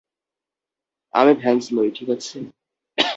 আমি ভ্যান্স নই, ঠিক আছে?